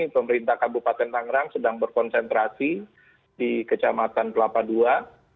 pemerintah kabupaten tangerang sedang berkonsentrasi di kecamatan kelapa ii